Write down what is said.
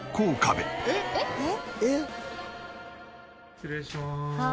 失礼します。